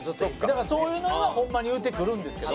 だからそういうのはホンマに言うてくるんですけど。